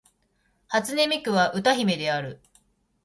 初音ミクは歌姫である